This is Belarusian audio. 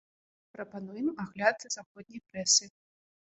Прапануем агляд заходняй прэсы.